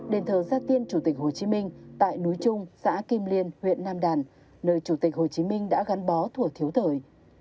đền thờ gia tiên chủ tịch hồ chí minh tại núi trung xã kim liên huyện nam đàn nơi chủ tịch hồ chí minh đã gắn bó thủa thiếu thời